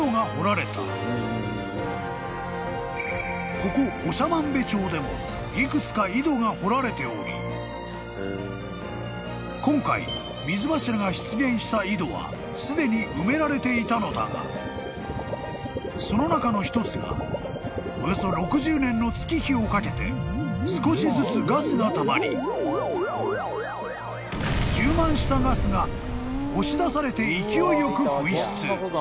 ［ここ長万部町でも幾つか井戸が掘られており今回水柱が出現した井戸はすでに埋められていたのだがその中の一つがおよそ６０年の月日をかけて少しずつガスがたまり充満したガスが押し出されて勢いよく噴出］